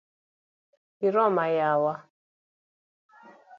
Iroma waya